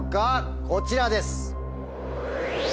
こちらです！